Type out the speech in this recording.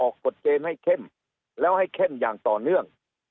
กฎเกณฑ์ให้เข้มแล้วให้เข้มอย่างต่อเนื่อง